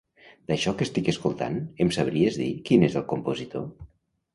D'això que estic escoltant, em sabries dir quin és el compositor?